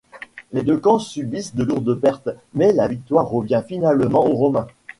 Les deux camps subissent de lourdes pertes mais la victoire revient finalement aux Romains.